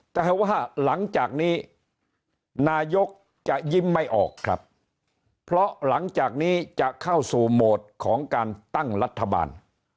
แต่ว่าหลังจากนี้นายกจะยิ้มไม่ออกครับเพราะหลังจากนี้จะเข้าสู่โหมดของการตั้งรัฐบาล